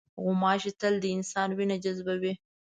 غوماشې تل د انسان وینه جذبوي.